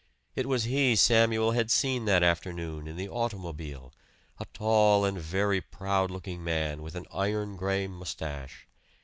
It was he Samuel had seen that afternoon in the automobile, a tall and very proud looking man with an iron gray mustache.